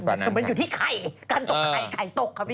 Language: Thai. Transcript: มันอยู่ที่ไข่ที่ไข่ตกครับพี่